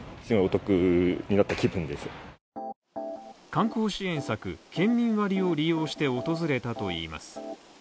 観光支援策、県民割を利用して訪れたといいます。